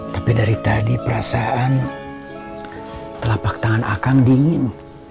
tapi dari tadi perasaan telapak tangan akang dingin